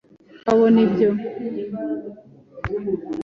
Wabona ibyo?